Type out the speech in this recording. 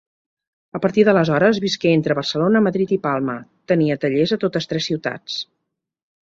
A partir d'aleshores visqué entre Barcelona, Madrid i Palma; tenia tallers a totes tres ciutats.